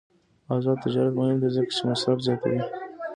آزاد تجارت مهم دی ځکه چې مصرف زیاتوي.